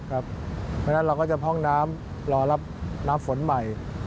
เพราะฉะนั้นเราก็จะพร่องน้ำรอรับน้ำฝนใหม่